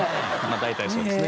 大体そうですね。